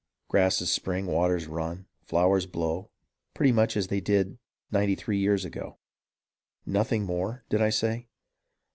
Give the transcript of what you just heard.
Grasses spring, waters run, flowers blow, Pretty much as they did ninety three years ago. Nothing more, did I say